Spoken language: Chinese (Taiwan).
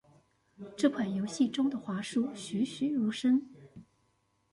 這款遊戲中的樺樹栩詡如生